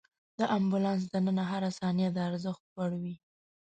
د امبولانس دننه هره ثانیه د ارزښت وړ وي.